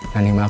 nah nih mbak